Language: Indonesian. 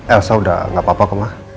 elsa udah gak apa apa ke ma